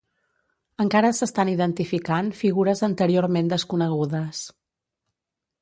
Encara s'estan identificant figures anteriorment desconegudes.